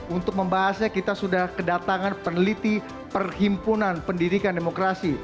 untuk membahasnya kita sudah kedatangan peneliti perhimpunan pendidikan demokrasi